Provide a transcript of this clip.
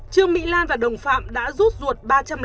trương mỹ lan và đồng phạm đã rút ruột